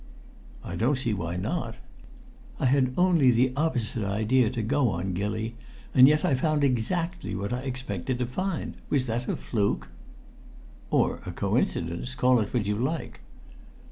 "I don't see why not." "I had only the opposite idea to go upon, Gilly, and yet I found exactly what I expected to find. Was that a fluke?" "Or a coincidence call it what you like."